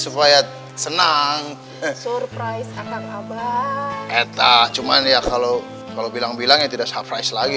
supaya senang surprise akan abang eta cuman ya kalau kalau bilang bilangnya tidak surprise lagi